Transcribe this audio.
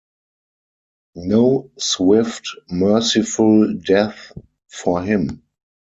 No swift merciful death for him.